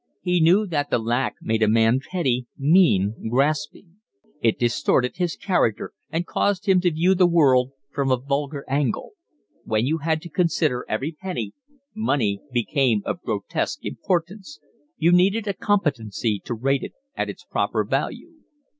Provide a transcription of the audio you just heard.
He knew that the lack made a man petty, mean, grasping; it distorted his character and caused him to view the world from a vulgar angle; when you had to consider every penny, money became of grotesque importance: you needed a competency to rate it at its proper value.